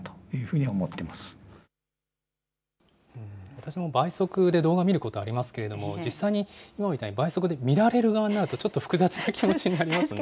私も倍速で動画見ることありますけれども、実際に今みたいに倍速で見られる側になると、ちょっと複雑な気持